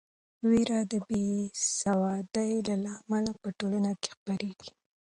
وېره د بې سوادۍ له امله په ټولنه کې خپریږي.